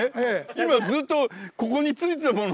今ずっとここについてたものですよ？